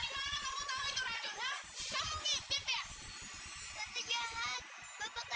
kenapa ibu gak boleh minum jamu ini sayang